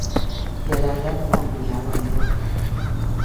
Jelenleg Angliában él.